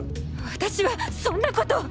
私はそんなこと。